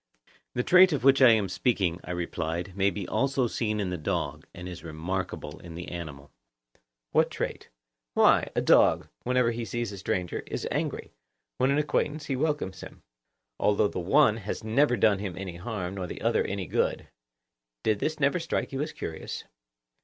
The trait of which I am speaking, I replied, may be also seen in the dog, and is remarkable in the animal. What trait? Why, a dog, whenever he sees a stranger, is angry; when an acquaintance, he welcomes him, although the one has never done him any harm, nor the other any good. Did this never strike you as curious?